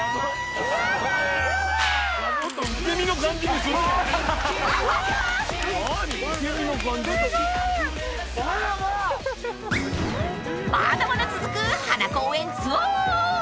［まだまだ続く花公園ツアー］